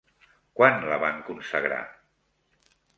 Quan la van consagrar?